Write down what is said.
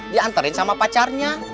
dianterin sama pacarnya